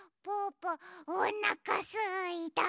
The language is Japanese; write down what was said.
ぽおなかすいた！